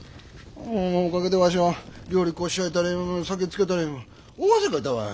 んおかげでわしは料理こしらえたり酒つけたり大汗かいたわい。